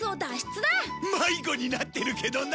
迷子になってるけどな